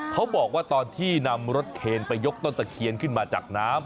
เขาบอกว่าตอนที่นำรถเคนไปยกต้นตะเคียนขึ้นมาจากน้ำ